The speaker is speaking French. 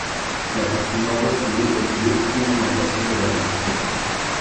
La partie nord-ouest de l'Hôtel-Dieu couvre l'emplacement de la rue.